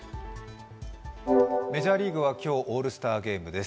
メジャーリーグは今日、オールスターゲームです。